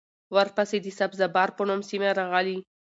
ورپسې د سبزه بار په نوم سیمه راغلې